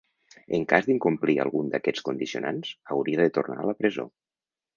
En cas d’incomplir algun d’aquests condicionants, hauria de tornar a la presó.